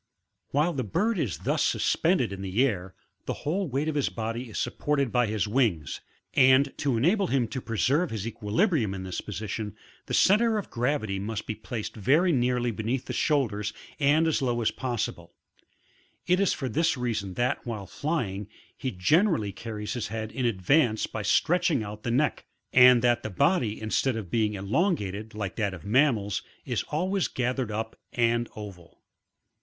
While the bird is thus suspended in the air, the whole weight of his body is supported by his wings, and to enable him to preserve his equilibrium in this position, the centre of gravity must be placed very nearly beneath the shoulders and as low as possible ; it is for this reason that, while flying, he generally carries his head in advance by stretching out the neck, and that the body, instead of being elongated, like that of mammals, is always gathered up and oval.